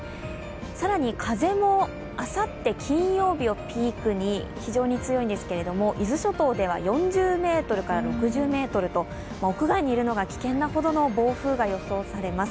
更に風もあさって金曜日をピークに非常に強いんですけれども、伊豆諸島では４０６０メートルと屋外にいるのが危険なほどの暴風が予想されます。